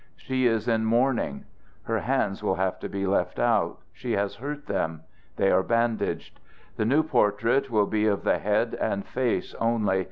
She is in mourning. Her hands will have to be left out, she has hurt them; they are bandaged. The new portrait will be of the head and face only.